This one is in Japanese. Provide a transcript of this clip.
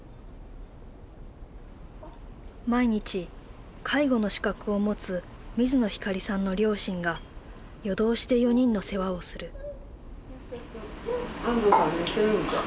毎日介護の資格を持つ水野ひかりさんの両親が夜通しで４人の世話をする。